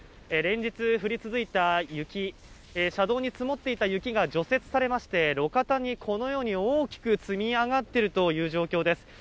連日、降り続いた雪、車道に積もっていた雪が除雪されまして、路肩にこのように大きく積み上がっているという状況です。